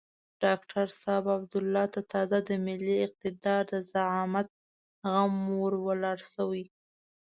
ډاکتر صاحب عبدالله ته تازه د ملي اقتدار د زعامت غم ور ولاړ شوی.